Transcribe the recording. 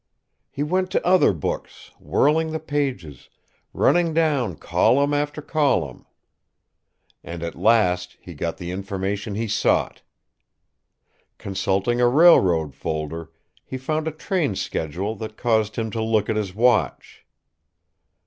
He went to other books, whirling the pages, running down column after column. And at last he got the information he sought. Consulting a railroad folder, he found a train schedule that caused him to look at his watch.